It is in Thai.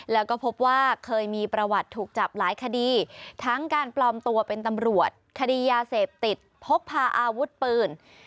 แล้วก็พบว่าเคยมีประวัติถูกจับหลายคดีทั้งการปลอมตัวเป็นตำรวจคดียาเสพติดพกพาอาวุธปืน